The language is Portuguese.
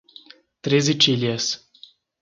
Treze Tílias